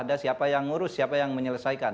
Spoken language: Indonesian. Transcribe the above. ada siapa yang ngurus siapa yang menyelesaikan